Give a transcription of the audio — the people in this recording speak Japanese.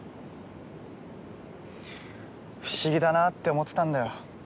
不思議だなって思ってたんだよ